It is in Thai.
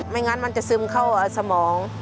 ไม่งั้นมันจะซึมเข้าสมอง